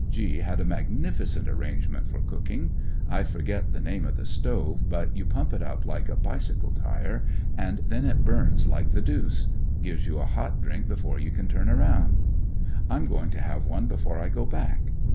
G had a magnificent arrangement for cooking. I forget the name of the stove ; but you pump it up like a bicycle tyre, and then it bums like the deuce ; gives you a hot drink before you can turn round. Tm going to have one before I go back.